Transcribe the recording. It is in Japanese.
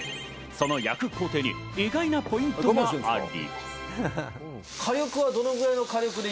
その焼く工程に意外なポイントがあり。